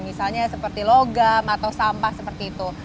misalnya seperti logam atau sampah seperti itu